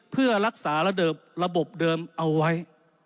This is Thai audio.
เพื่อรักษาระเดิบระบบเดิมเอาไว้